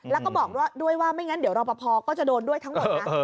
แล้วก็บอกด้วยว่าไม่งั้นเดี๋ยวรอปภก็จะโดนด้วยทั้งหมดนะ